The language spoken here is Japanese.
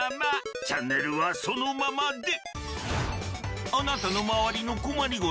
チャンネルはそのままで！